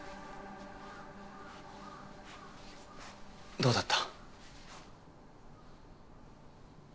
どうだった？